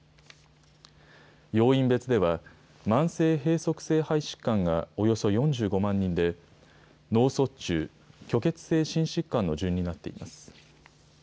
要因別では、慢性閉塞性肺疾患がおよそ４５万人で、脳卒中、虚血性心疾患の順になっています。